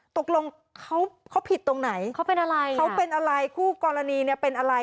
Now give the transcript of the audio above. ตกลงเขาผิดตรงไหนเขาเป็นอะไรคู่กรณีเป็นอะไร